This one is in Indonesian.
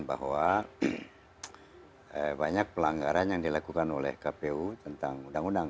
bahwa banyak pelanggaran yang dilakukan oleh kpu tentang undang undang